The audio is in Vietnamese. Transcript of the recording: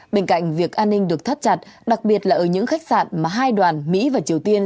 bên cạnh việc an ninh được thắt chặt đặc biệt là ở những khách sạn mà hai đoàn mỹ và triều tiên